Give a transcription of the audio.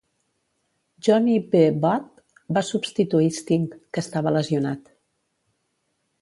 Johnny B. Badd va substituir Sting, que estava lesionat.